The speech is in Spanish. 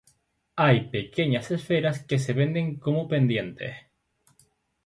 Hay pequeñas esferas que se venden como pendientes.